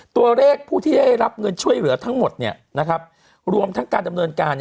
ตัวเลขผู้ที่ได้รับเงินช่วยเหลือทั้งหมดรวมทั้งการดำเนินการ